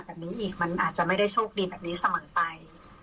แบบนี้อีกมันอาจจะไม่ได้โชคดีแบบนี้เสมอไป